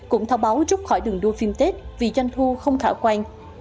cũng thao báo rút khỏi đường đua phim tết vì doanh thu không khả quan